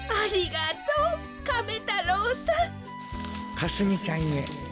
「かすみちゃんへ。